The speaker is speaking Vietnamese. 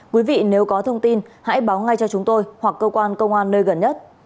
quý vị nếu có thông tin hãy báo ngay cho chúng tôi hoặc cơ quan công an nơi gần nhất